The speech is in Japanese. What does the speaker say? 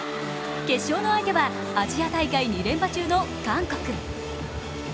決勝の相手はアジア大会２連覇中の韓国。